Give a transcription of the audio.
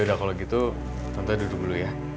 yaudah kalau gitu tante duduk dulu ya